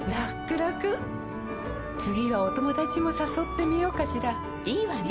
らくらくはお友達もさそってみようかしらいいわね！